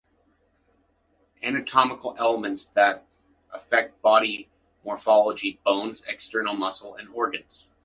Anatomical elements that affect body morphology: bones, external muscles and organs.